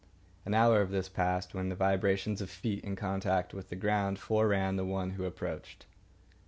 An hour of this passed, when the vibrations of feet in contact with the ground foreran the one who approached.